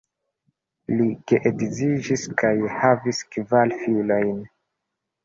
Li geedziĝis kaj havis kvar filojn.